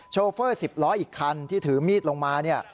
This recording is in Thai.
โชเฟอร์๑๐ล้ออีกคันที่ถือมีดลงมา